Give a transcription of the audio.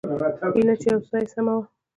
ايله چې يو څه ساه يې سمه وه.